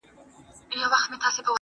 سړی وایې کورته غل نه دی راغلی-